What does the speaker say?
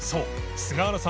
菅原さん）